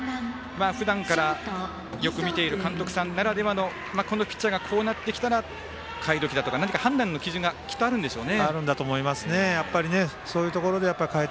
ふだんからよく見ている監督さんならではのピッチャーがこうなってきたら代え時だとか判断の基準があるんでしょうね。